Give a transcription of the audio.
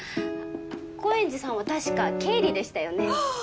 高円寺さんは確か経理でしたよね？